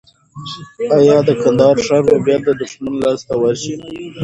ایا د کندهار ښار به بیا د دښمن لاس ته ورشي؟